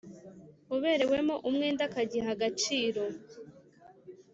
uberewemo umwenda akagiha agaciro